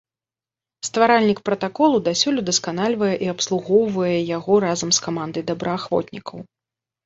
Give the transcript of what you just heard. Стваральнік пратаколу дасюль удасканальвае і абслугоўвае яго разам з камандай добраахвотнікаў.